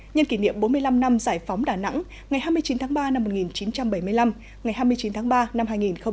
nhân kỷ niệm bốn mươi năm năm giải phóng đà nẵng ngày hai mươi chín tháng ba năm một nghìn chín trăm bảy mươi năm ngày hai mươi chín tháng ba năm hai nghìn hai mươi